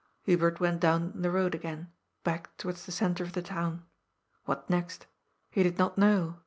Hubert went down the road again, back towards the centre of the town. What next ? He did not know.